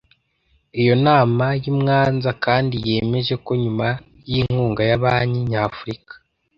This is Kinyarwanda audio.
iyo nama y'i mwanza kandi yemeje ko nyuma y' inkunga ya banki nyafurika